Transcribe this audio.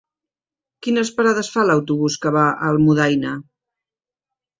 Quines parades fa l'autobús que va a Almudaina?